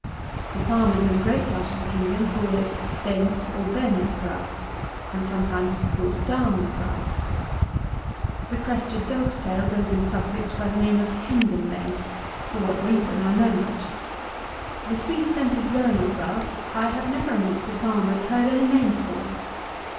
The farmers, in a great part of the kingdom, call it Bent, or Bennett, grass; and sometimes it is galled Darnel grass. The Crested Dog's tail goes, in Sussex, by the name of Hendonbent; for what reason I know not. The sweet scented Vernal grass I have never, amongst the farmers, heard any name for.